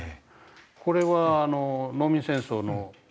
これはあの「農民戦争」の。